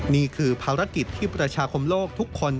นี่คือภารกิจที่ประชาคมโลกทุกคน